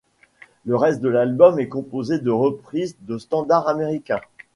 Le reste de l'album est composé de reprises de standards américains.